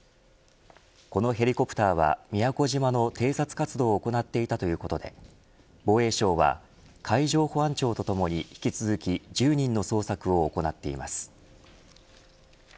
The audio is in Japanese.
このヘリコプターは宮古島の偵察活動を行っていたということで防衛省は、海上保安庁とともに引き続き１０人の捜索を行っています。